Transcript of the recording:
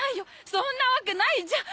そんなわけないじゃん！